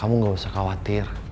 aku juga gak usah khawatir